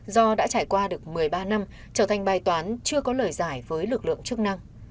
do đã trải qua được một mươi ba năm trở thành bài toán chưa có lời giải với lực lượng chức năng